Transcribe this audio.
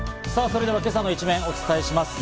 さぁそれでは、今朝の一面、お伝えします。